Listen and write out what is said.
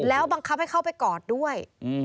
แล้วบังคับให้เข้าไปกอดด้วย